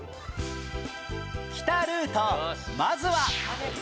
北ルートまずは